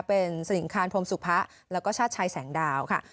เป็นสลิงคานพรมสุพะแล้วก็ชาติชัยแสงดาวค่ะ